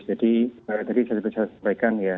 jadi tadi saya bisa sampaikan ya